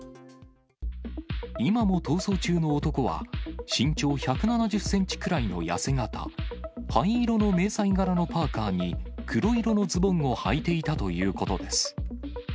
今も逃走中の男は、身長１７０センチくらいの痩せ形、灰色の迷彩柄のパーカーに、黒色のズボンをはいていたということです。